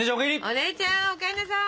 お姉ちゃんお帰んなさい！